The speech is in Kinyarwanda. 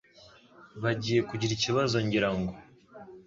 Bagiye kugira ikibazo, ngira ngo.